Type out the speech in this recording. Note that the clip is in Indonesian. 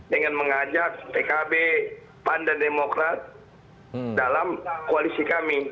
dengan mengajak pkb pan dan demokrat dalam koalisi kami